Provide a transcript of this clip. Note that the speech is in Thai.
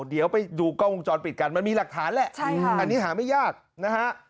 เดี๋ยวไปดูกล้องวงจรปิดกันมันมีหลักฐานแหละใช่ค่ะอันนี้หาไม่ยากนะฮะ